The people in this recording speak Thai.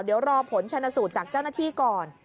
เดี๋ยวรอผลชนสูตรจากเจ้าหน้าที่ก่อน